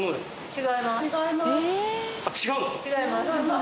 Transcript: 違います。